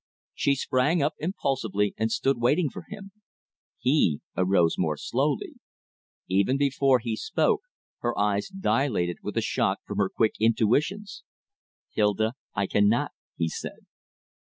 She sprang up impulsively and stood waiting for him. He arose more slowly. Even before he spoke her eyes dilated with the shock from her quick intuitions. "Hilda, I cannot," he said.